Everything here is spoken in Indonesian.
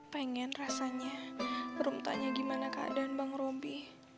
pengen rasanya rum tanya gimana keadaan bang robi